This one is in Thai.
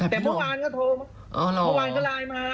แต่เมื่อกี้ก็โทร